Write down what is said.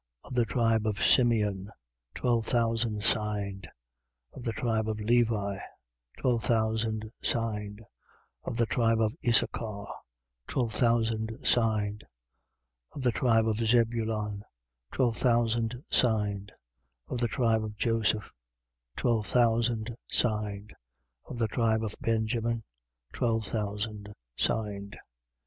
Of the tribe of Simeon, twelve thousand signed: Of the tribe of Levi, twelve thousand signed: Of the tribe of Issachar, twelve thousand signed: 7:8. Of the tribe of Zabulon, twelve thousand signed: Of the tribe of Joseph, twelve thousand signed: Of the tribe of Benjamin, twelve thousand signed.